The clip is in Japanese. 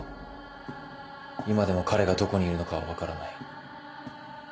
今でも彼がどこにいるのかは分からない。